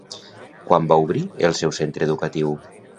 Quan va obrir el seu centre educatiu?